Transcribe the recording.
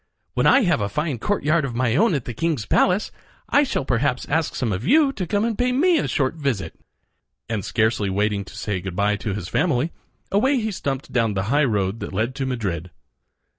"When I have a fine courtyard of my own at the king's palace, I shall perhaps ask some of you to come and pay me a short visit." And scarcely waiting to say good by to his family, away he stumped down the high road that led to Madrid.